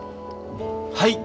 はい！